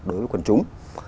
đối với quân chúng